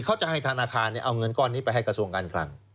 เขาจะให้ธนาคารเอาเงินก้อนนี้ไปให้กระทรวงการคลัง